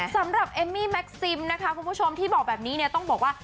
สำหรับเอมมี่แม็กซิมนะคะคุณผู้ชมที่บอกแบบนี้เนี่ยต้องบอกว่า